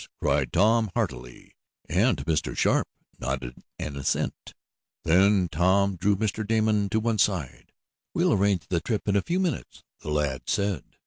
cried Tom heartily, and Mr. Sharp nodded an assent. Then Tom drew Mr. Damon to one side. "We'll arrange the trip in a few minutes," the lad said.